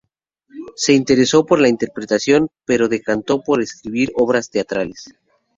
Se interesó por la interpretación, pero se decantó por escribir obras teatrales.